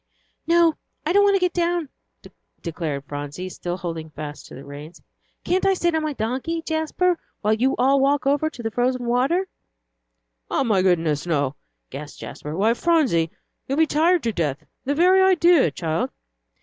"No, I don't want to get down," declared Phronsie, still holding fast to the reins; "can't I sit on my donkey, Jasper, while you all walk over on the frozen water?" "Oh, my goodness, no!" gasped Jasper. "Why, Phronsie, you'd be tired to death the very idea, child!"